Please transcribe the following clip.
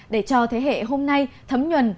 để cho thế hệ hôm nay thấm nhuần